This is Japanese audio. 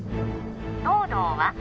東堂は？